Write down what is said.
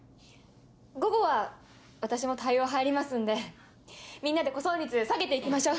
午後は私も対応入りますんでみんなで呼損率下げて行きましょう。